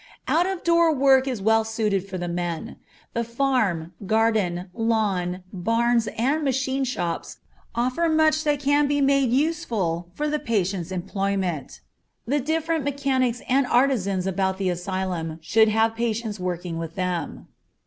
Out of door work is well suited for the men. The farm, garden, lawn, barns, and machine shops offer much that can be made useful for the patients' employment; the different mechanics and artisans about the asylum should have patients working with them.